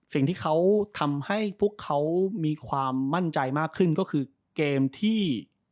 สิ่งที่เขาทำให้พวกเขามีความมั่นใจมากขึ้นก็คือเกมที่